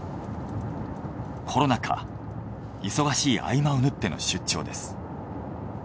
コロナ禍忙しい合間を縫っての出張です。